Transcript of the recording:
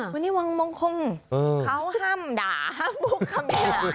วันนี้วังมงคงเขาห้ามด่าห้ามมุกคำยา